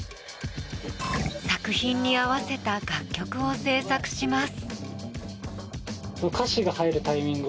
作品に合わせた楽曲を制作します。